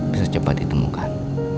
bisa cepat ditemukan